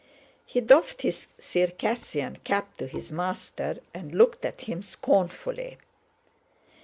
He doffed his Circassian cap to his master and looked at him scornfully.